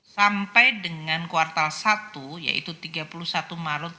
sampai dengan kuartal satu yaitu tiga puluh satu maret